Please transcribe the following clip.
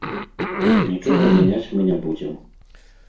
Нічога мяняць мы не будзем.